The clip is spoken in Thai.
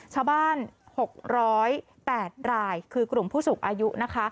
ชาวบ้าน๖๐๘รายคือกลุ่มผู้สูงอายุนะคะ